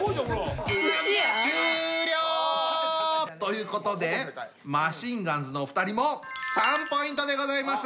終了！ということでマシンガンズのお二人も３ポイントでございます！